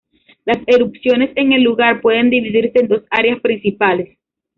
Las erupciones en el lugar pueden dividirse en dos áreas principales.